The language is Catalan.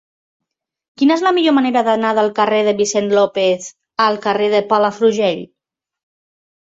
Quina és la millor manera d'anar del carrer de Vicent López al carrer de Palafrugell?